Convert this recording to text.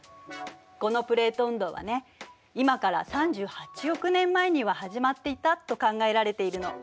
このプレート運動はね今から３８億年前には始まっていたと考えられているの。